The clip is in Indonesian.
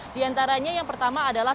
di antaranya yang pertama adalah